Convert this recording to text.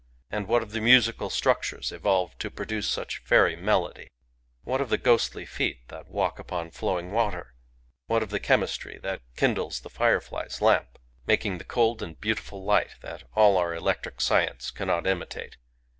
and what of the musical structures evolved to produce such fairy melody ? What of the ghostly feet that walk upon flowing water ? What of the chemistry that kindles the firefly's lamp, — Digitized by Googk GAKI 195 making the cold and beautiful light that all our electric science cannot imitate?